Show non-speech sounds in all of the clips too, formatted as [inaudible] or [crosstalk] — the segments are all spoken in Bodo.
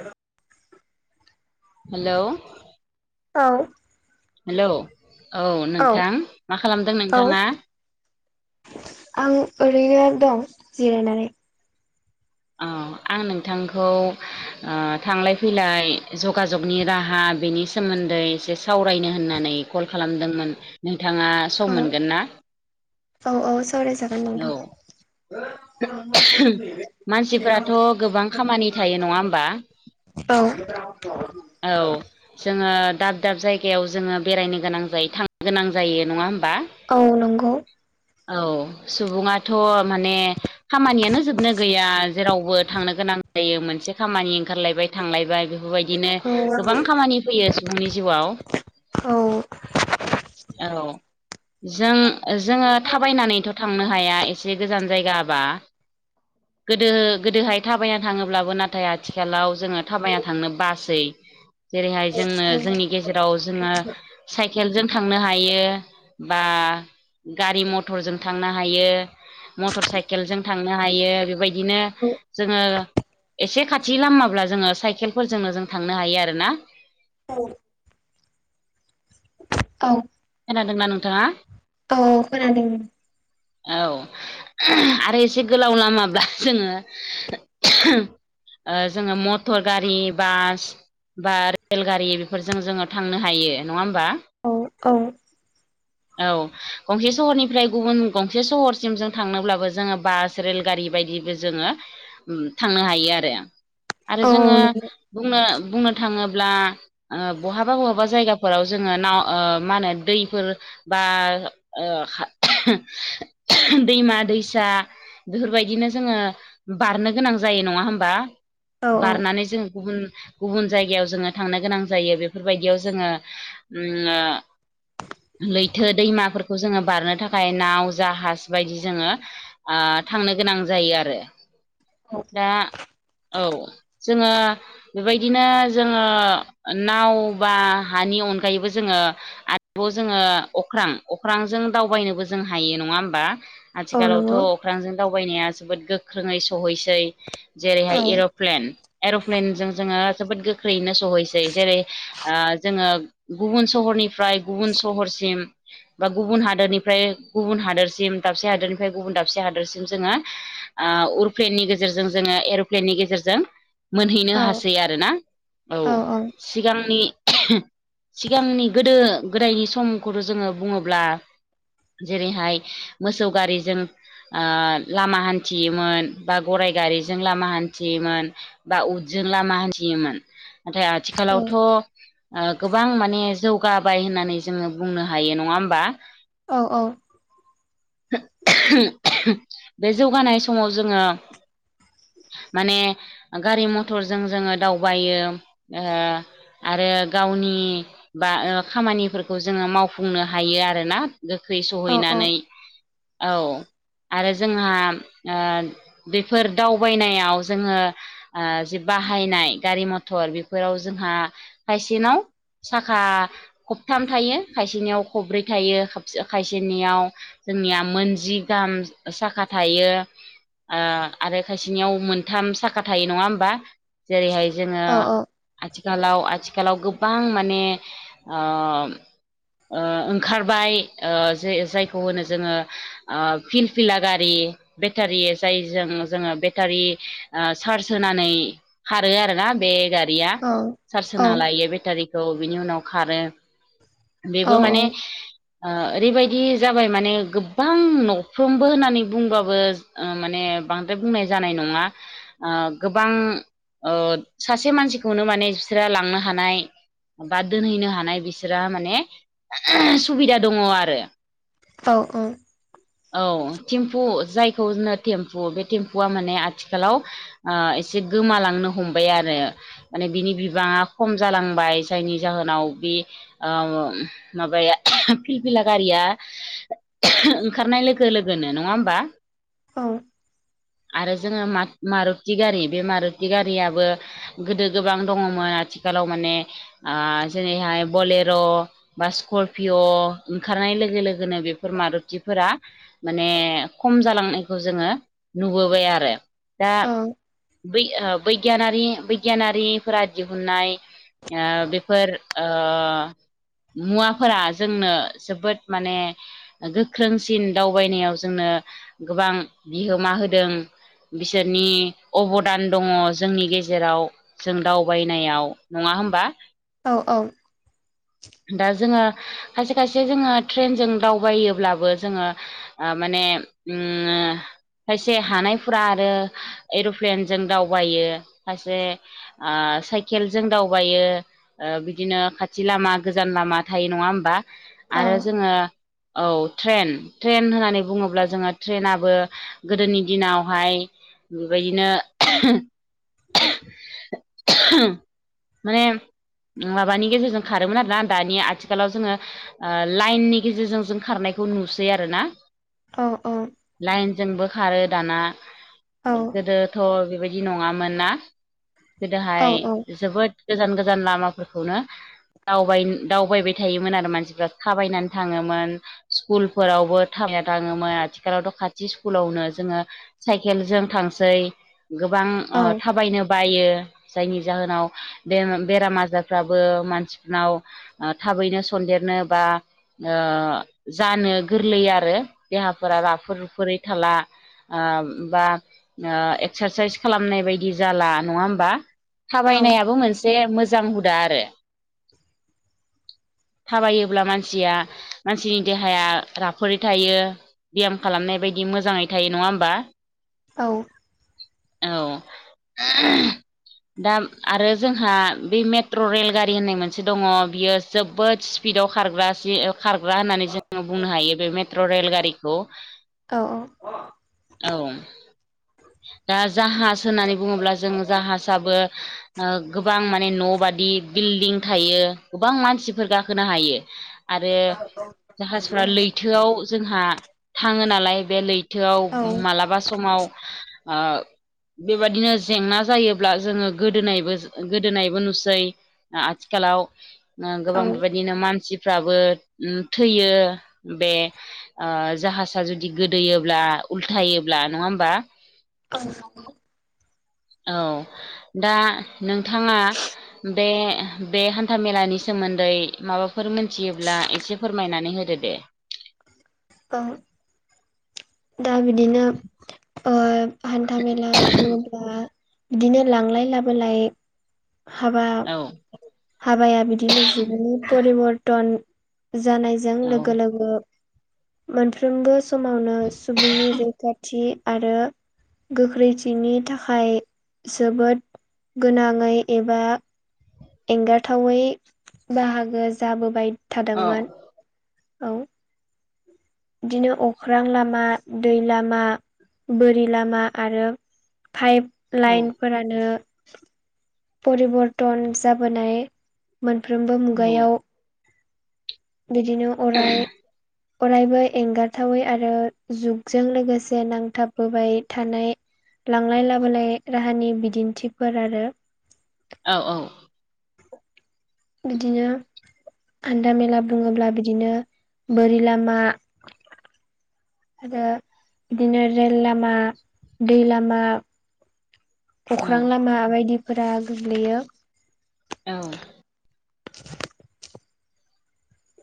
औ हेलौ औ हेलौ औ नोंथां मा खालामदों औ नोंथाङा? आं ओरैनो दं जिरायनानै। अ आं नोंथांखौ ओ थांलाय फैलाय जगाजगनि राहा बेनिस सोमोन्दै एसे सावरायनो होननानै कल खालामदोंमोन नोंथाङा सम औ मोनगोन ना? औ औ सावराय जा औ [unintelligible] मानसिफ्राथ' गोबां खामानि थायो नङा होमबा औ औ जोङो दाब दाब जायगायाव जोङो बेरायनो गोनां जायो थांनो गोनां जायो नङा होमबा औ नंगौ औ सुबुङाथ' माने खामानियानो जोबनो गैया जेरावबो थांनो गोनां जायो मोनसे खामानि ओंखारलायबाय थांलायबाय बे औ बेबायदिनो औ नंगौ गोबां खामानि फैयो सुबुंनि जिउआव। औ औ जों जोङो थाबायनानैथ' थांनो हाया एसे गोजान जायगाबा गोदो गोदोहाय थाबायना थाङोब्लाबो नाथाय आथिखालाव जोङो थाबायना थांनो बासै जेरैहाय जोङो जोंनि गेजेराव जोङो साइकेलजों थांनो हायो बा गारि मटरजों थांनो हायो मटर साइकेलजों थांनो हायो बेबाय दिनो जोङो एसे खा थि लामाब्ला जोङो साइकेलफोरजोंनो जों थांनो हायो आरो ना औ औ खोनादोंना नोंथाङा? औ खोनादों। औ [unintelligible] आरो एसे गोलाव लामाब्ला जोङो [unintelligible] ओ जोङो मटर गारि बास बा रेल गारि बेफोरजों जोङो थांनो हायो नङा होमबा औ औ औ गंसे सहरनिफ्राय गुबुन गंसे सहरसिम जों थांनोब्लाबो जोङो बास रेलगारि बायदिबो जोङो थांनो हायो आरो आरो जोङो बुंनो बुंनो थाङोब्ला ओ बहाबा बहाबा जायगाफोराव जोङो नाव ओ मा होनो दैफोर बा ओ खा [unintelligible] दैमा दैसा बेफोरबायदिनो जोङो बारनो गोनां जायो नङा होमबा औ नंगौ औ औ बारनानै जों गुबुन गुबुन जायगायाव जोङो थांनो गोनां जायो बेफोरबायदियाव जोङो ओम लैथो दैमाफोरखौ जोङो बारनो थाखाय नाव जाहाज बायदि जोङो ओ थांनो गोनां जायो आरो औ दा औ जोङो बेबायदिनो जोङो नाव बा हानि अनगायैबो जोङो आतब' जोङो अख्रां अख्रांजों दावबायनोबो जों हायो नङा होमबा औ नंगौ आथिखालावथ' अख्रांजों दावबायनाया जोबोद गोख्रोङै सौहैसै औ जेरैहाय एर'प्लेन एर'प्लेनजों जोङो जोबोद गो ख्रैयैनो सहैसै जेरै ओ जोङो गुबुन सहरनिफ्राय गुबुन सहरसिम बा गुबुन हादोरनिफ्राय गुबुन हादोरसिम दाबसे हादोरनिफ्राय गुबुन दाबसे हादोरसिम जोङो ओ उरप्लेननि गेजेरजों जोङो एर'प्लेननि गेजेरजों मोनहैनो औ हासै आरोना औ सिगांनि सिगांनि गोदो गोदायनि समखौथ' जोङो बुङोब्ला जेरैहाय मोसौ गारिजों ओ लामा हान्थियोमोन बा गराय गारिजों लामा हान्थियोमोन बा उदजों लामा हान्थियोमोन नाथाय औ आथिखालावथ' ओ गोबां माने जौगाबाय होननानै जोङो बुंनो हायो नङा होमबा औ औ बे जौगानाय समाव जोंङो माने गारि मथरजों जोङो दावबायो ओ आरो गावनि बा ओ खामानिफोरखौ जोङो माव बुं नो हायो आरोना गोख्रै औ सौहैनानै औ आरो जोंहा ओ बेफोर दावबायनायाव जोङो ओ जि बाहायनाय गारि मथर बेफोराव जोंहा खायसेनाव साखा खबथाम थायो खायसेनियाव खब्रै थायो खाब खायसेनियाव जोंनिया मोनजि गाहाम साखा थायो ओ आरो खायसेनियाव मोनथाम साखा थायो नङा होमबा जेरैहाय जोङो औ आथिखालाव आथिखालाव गोबां माने ओ ओ ओंखारबाय ओ जे जायखौ होनो जोङो ओ फिलफिला गारि बेटारि जायजों जोंङो बेटारि ओ चार्ज होनानै खारो आरोना बे गारिया चार्ज औ होना औ लायो बेटारिखौ बिनि उनाव खारो औ बेबो माने औ ओ ओरैबायदि जाबाय माने गोबां न'फ्रोमबो होननानै बुंबाबो ओ माने बांद्राय बुंनाय जानाय नङा ओ गोबां ओ सासे मानसिखौनो माने बिस्रा लांनो हानाय बा दोनहैनो हानाय बिस्राहा माने सुबिदा दङ आरो औ अ औ थिम्फु जायखौ जनो थेम्पु बे थेम्पुआ माने आथिखालाव ओ एसे गोमालांनो हमबाय आरो माने बिनि बिबाङा खम जालांबाय जायनि जाहोनाव बि ओ माबाया फिलफिला गारिया ओंखारनाय लोगो लोगोनो नंङा होमबा औ आरो जोङो मा मारुथि गारि बे मारुथि गारियाबो गोदो गोबां दङमोन आथिखालाव माने ओ जेरैहाय बले र' बा स्करपिय' ओंखारनाय लोगो लोगोनो बेफोर मारुथिफोरा माने खम जालांनायखौ जोंङो नुबोबाय आरो दा बै ओ बैगायानारि बैगियानारिफोरा दिहुननाय ओ बेफोर ओ मुवाफोरा जोंनो जोबोद माने गोख्रोंसिन दावबायनायाव जोंनो गोबां बिहोमा होदों बिसोरनि अबदान दङ जोंनि गेजेराव जों दावबायनायाव नङा होमबा? औ औ दा जोङो खायसे खायसे जोङो ट्रेनजों दावबायोब्लाबो जोङो ओ माने उम ओ खायसे हानायफोरा आरो एर'प्लेनजों दावबायो खायसे ओ साइकेलजों दावबायो ओ बिदिनो खाथ दि लामा गोजान लामा थायो नङा होमबा आरो जोंङो औ ट्रेन ट्रेन होननानै बुङोब्ला जोङो ट्रेनाबो गोदोनि दिनावहाय बिबायदिनो माने माबानि गेजेरजों खारोमोन आरोना दानिया आथिखालाव जोङो ओ लाइननि गेजेरजों जों खारनायखौ नुसै आरोना? औ अ लाइनजोंबो खारो दाना। गोदोथ' बिबायदि नङामोन ना? गोदोहाय जोबोद गोजान गोजान लामाफोरखौनो दावबाइन दावबायबाय थायोमोन आरो मानसिफ्रा थाबायनानै थाङोमोन। स्कुलफोरावबो थाबायना थाङोमोन आथिखालावथ' खाथि स्कुलावनो जोंङो साइकेलजों थांसै गोबां ओ थाबायनोब बायो जायनि जाहोनाव बेम बेराम आजारफ्राबो मानसि नाव ओ थाबैनो सन्देरनो बा ओ जानो गोरलै आरो देहाफोरा राफोर रुफुरै थाला। ओम बा ओ एक्सारसाइस खालामनाय बायदि जाला नङा ओमबा? औ थाबायनायाबो मोनसे मोजां हुदा आरो थाबायोब्ला मानसिया मानसिनि देहाया राफोरै थायो। बियाम खालामनाय बायदि मोजाङै थायो नङा ओमबा? औ औ दा आरो जोंहा बे मेट्र' रेलगारि रि होननाय मोनसे दङ बियो जोबोद स्पिडाव खारग्रा जि ओ खारग्रा होननानै जोङो बुंनो हायो बे मेट्र' रेलगारिखौ। औ औ औ दा जाहाज होननानै बुंङोब्ला जों जाहासाबो ओ गोबां माने न' बादि बिल्डिं थायो गोबां मानसिफोर गाखोनो हायो आरो जाहाजफ्रा लैथोआव जोंहा थांङो नालाय बे लैथोआव औ मालाबा समाव ओ बेबायदिनो जेंना जायोब्ला जोङो गोदोनायबोज गोदोनायबो नुसै। आ आथिखालाव ओ गोबां औ बेबायदिनो मानसिफ्राबो उम थैयो बे ओ जाहाजा जुदि गोदोयोब्ला उल्थायोब्ला नङा होमबा? औ औ दा नोंथाङा बे बे हान्था मेलानि सोमोन्दै माबाफोर मोनथियोब्ला एसे फोरमायनानै होदो दे। ओ दा बिदिनो ओब हान्था मेला बुझङोब्ला बिदिनो लांलाय लाबोलाय हाबा औ हाबाया बिदिनो जुगनि परिबर्तन जानायज औ जों लोगो मोनफ्रबो समावनो सुबुंनि रैखाथि आरो गोख्रैथिनि थाखाय जोबोद गोनाङै एबा एंगारथावै बाहागो जाबोबाय औ थादोंमोन औ। बिदिनो अख्रां लामा दै लामा बोरि लामा आरो पाइप औ लाइनफोरानो परिबर्तन जाबोनाय मोनफ्रोमबो औ मुगायाव बिदिनो अराय [inaudible] अरायबो एंगारथावै आरो जुगजों लोगोसे नांथाबबोबाय थानाय लांलाय लाबोलाय राहानि बिदिन्थिफोर आरो औ औ। बिदिनो हान्था मेला बुङोब्ला बिदिनो बोरि लामा आरो बिदिनो रेल लामा दै लामा अख्रां लामा बायदिफोरा गोग्लैयो। औ।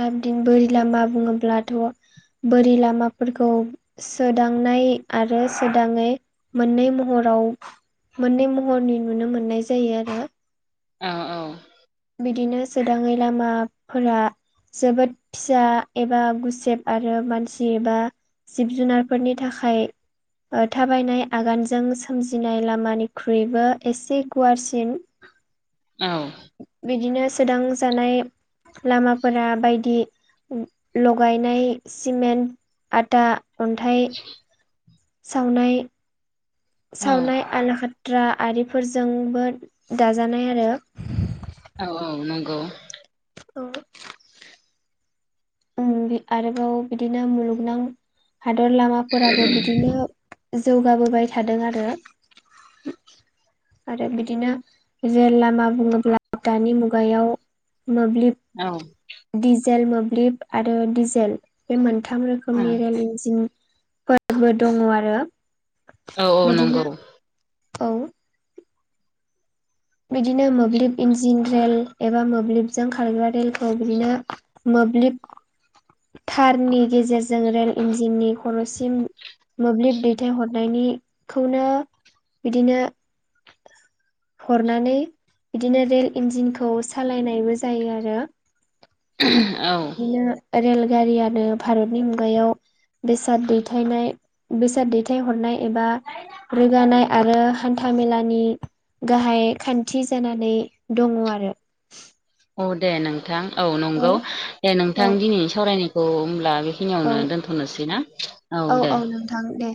दा बिदिनो बोरि लामा बुङोब्लाथ' बोरि लामाफोरखौ सोदांनाय आरो सोदाङै मोननै महराव मोननै महरनि नुनो मोननाय जायो आरो। औ औ। बिदिनो सोदाङै लामाफोरा जोबोद फिसा एबा गुसेब आरो मानसि एबा जिब जुनारफोरनि थाखाय ओ थाबायनाय आगानजों सोमजिनाय लामानिख्रुइबो एसे गुवारसिन औ। बिदिनो सोदां जानाय लामाफोरा बायदि लगायनाय सिमेन्ट आदा अन्थाइ सावनाय औ सावनाय आला खात्रा आरिफोरजोंबो दाजानाय आरो। औ औ नंगौ। उम बे आरोबाव बिदिनो मुलुगनां हादर लामाफोराबो बिदिनो जौगाबोबाय थादों आरो। आरो बिदिनो रेल लामा बुङोब्ला दानि मुगायाव मोब्लिब औ डिजेल मोब्लिब आरो डिजेल बे मोनथाम रोखोमनि रेल इन्जिन फो बो दङ आरो औ नंगौ बिदिनो औ बिदिनो मोब्लिब इन्जिन रेल एबा मोब्लिबजों खारग्रा रेलखौ बिदिनो मोब्लिब थारनि गेजेरजों रेल इन्जिननि खरसिम मोब्लिब दैथायहरनायनिखौनो बिदिनो हरनानै बिदिनो रेल इन्जिनखौ सालायनायबो जायो आरो। औ बिदिनो रेलगारियानो भारतनि मुगायाव बेसाद दैथायनाय बेसाद दैथायहरनाय एबा रोगानाय आरो हान्थ मेलानि गाहाय खान्थि जानानै दङ आरो। औ दे नोंथां औ नंगौ दे नोंथां औ दिनै सावरायनायखौ होनब्ला बे औ खिनियावनो दोनथ'नोसै ना औ दे। थां दे।